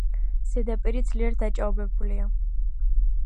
ზედაპირი ძლიერ დაჭაობებულია.